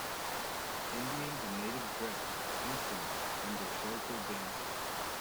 Indians in native dress with instruments under shelter dancing.